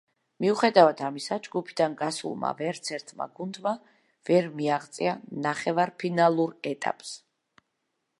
მიუხედავად ამისა, ჯგუფიდან გასულმა ვერცერთმა გუნდმა ვერ მიაღწია ნახევარფინალურ ეტაპს.